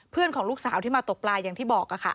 เพื่อนของลูกสาวตบลายอย่างที่บอก